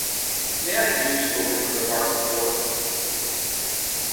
May I Use Openclipart for?